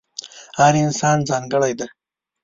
هر انسان ځانګړی دی.